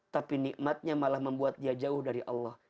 tapi nikmatnya malah membuat dia jauh dari allah